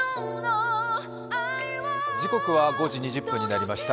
時刻は５時２０分になりました。